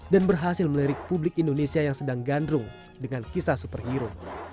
dan berhasil melirik publik indonesia yang sedang gandrung dengan kisah superhero